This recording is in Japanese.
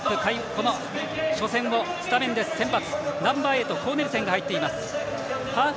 この初戦をスタメンで先発。